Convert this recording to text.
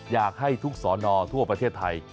อยากให้ทุกสอนอทั่วประเทศไทย